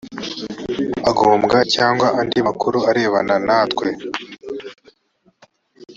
agombwa cyangwa andi makuru arebana natwe